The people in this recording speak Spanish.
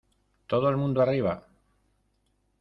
¡ todo el mundo arriba!